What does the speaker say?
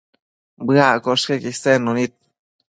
Bëaccosh queque isednu nid